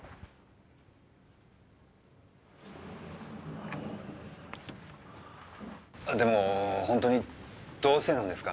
あっでもほんとにどうしてなんですか？